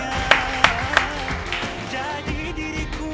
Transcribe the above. assalamu'alaikum warahmatullahi wabarakatuh